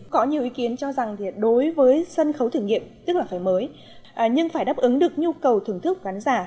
có nhiều ý kiến cho rằng đối với sân khấu thử nghiệm tức là phải mới nhưng phải đáp ứng được nhu cầu thưởng thức khán giả